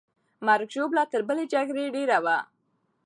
مرګ او ژوبله تر بلې جګړې ډېره وه.